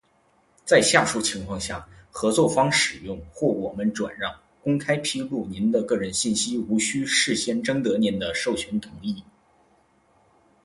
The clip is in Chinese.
在下述情况下，合作方使用，或我们转让、公开披露您的个人信息无需事先征得您的授权同意：